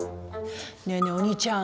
「ねぇねぇお兄ちゃん